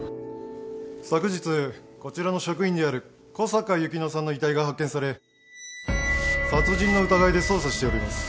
昨日こちらの職員である小坂由希乃さんの遺体が発見され殺人の疑いで捜査しております。